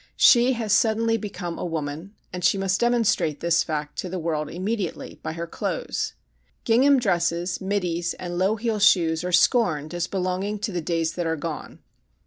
She has suddenly become a woman, and she must demonstrate this fact to the world immediately by her clothes. Gingham dresses, middies, and low heel shoes are scorned as belonging to the days that are gone.